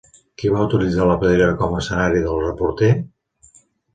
Qui va utilitzar La Pedrera com a escenari d'El reporter?